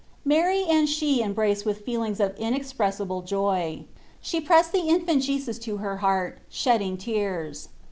Mary and she embraced with feelings of in expressible joy. She pressed the Infant Jesus to her heart, shedding tears.